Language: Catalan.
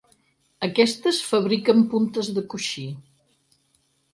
Aquestes fabriquen puntes de coixí.